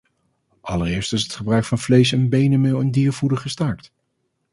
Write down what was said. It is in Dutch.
Allereerst is het gebruik van vlees- en beendermeel in diervoeder gestaakt.